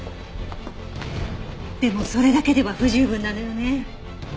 でもそれだけでは不十分なのよね。